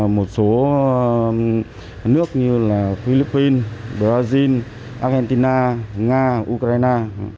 một số nước như là philippines brazil argentina nga ukraine